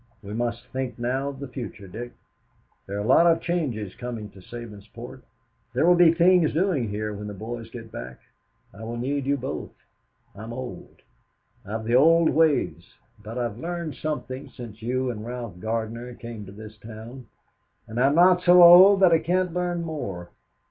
We must think now of the future, Dick. There are a lot of changes coming to Sabinsport. There will be things doing here when the boys get back. I will need you both. I am old. I have the old ways; but I have learned something since you and Ralph Gardner came to this town, and I'm not so old that I can't learn more.